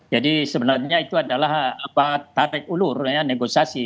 jadi sebenarnya itu adalah tarik ulur ya negosiasi